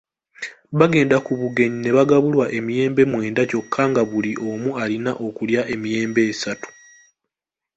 Baagenda ku bugenyi ne bagabulwa emiyembe mwenda kyokka nga buli omu alina okulya emiyembe esatu.